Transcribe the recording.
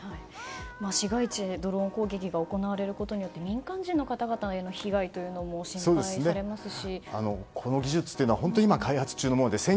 市街地でドローン攻撃が行われることによって民間人の方々への被害というのも心配されますし。